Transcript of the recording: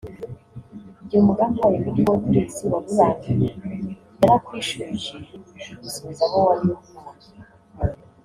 Igihe umugambi wayo kuri wowe kuri iyi isi wari urangiye yarakwishubije igusubiza aho wari uvuye